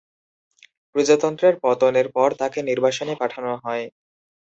প্রজাতন্ত্রের পতনের পর তাকে নির্বাসনে পাঠানো হয়।